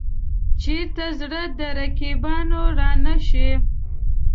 چېرته زړه د رقیبانو را نه شي.